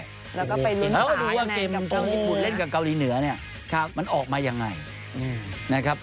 แล้วดูว่าเกมช่องญี่ปุ่นเล่นกับเกาหลีเหนือมันออกมาอย่างไร